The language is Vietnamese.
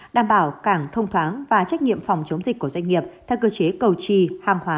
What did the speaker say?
đảm bảo cảng thông thoáng và trách nhiệm phòng chống dịch của doanh nghiệp theo cơ chế cầu trì hàng hóa